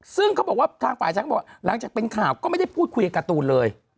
ซึ่งเขาบอกว่าทางฝ่ายชายก็บอกหลังจากเป็นข่าวก็ไม่ได้พูดคุยกับการ์ตูนเลย